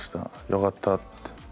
よかったって。